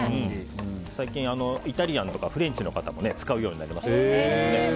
最近、イタリアンとかフレンチの方も使うようになりました。